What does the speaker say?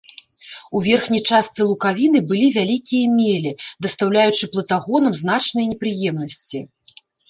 У верхняй частцы лукавіны былі вялікія мелі, дастаўляючы плытагонам значныя непрыемнасці.